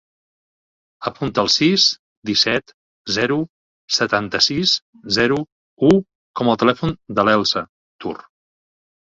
Apunta el sis, disset, zero, setanta-sis, zero, u com a telèfon de l'Elsa Tur.